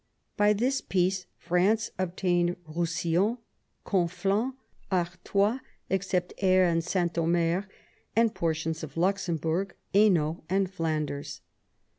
By this peace France obtained Roussillon, Conflans, Artois, except Aire and Saint Omer, and portions of Luxemburg, Hainault, and Flanders.